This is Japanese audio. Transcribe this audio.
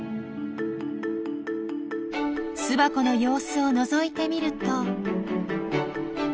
巣箱の様子をのぞいてみると。